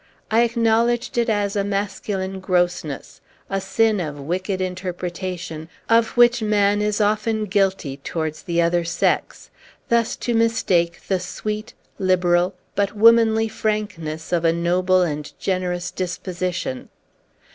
I acknowledged it as a masculine grossness a sin of wicked interpretation, of which man is often guilty towards the other sex thus to mistake the sweet, liberal, but womanly frankness of a noble and generous disposition.